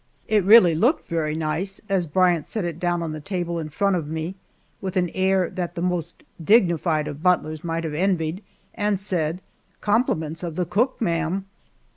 It really looked very nice as Bryant set it down on the table in front of me, with an air that the most dignified of butlers might have envied, and said, "Compliments of the cook, ma'am!"